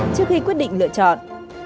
trước khi quyết định lựa chọn